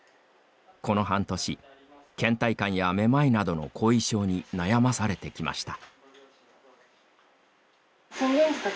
この半年、けん怠感やめまいなどの後遺症に悩まされてきました。